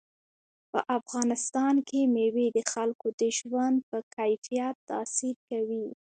په افغانستان کې مېوې د خلکو د ژوند په کیفیت تاثیر کوي.